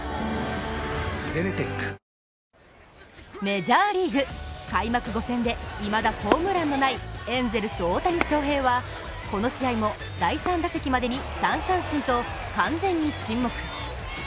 メジャーリーグ、開幕５戦でいまだホームランのないエンゼルス・大谷翔平は、この試合も第３打席までに３三振と、完全に沈黙。